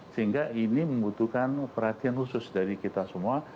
sehingga ini membutuhkan perhatian khusus dari kita semua